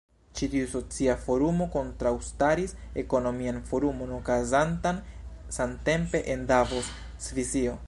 Ĉi tiu socia forumo kontraŭstaris ekonomian forumon okazantan samtempe en Davos, Svisio.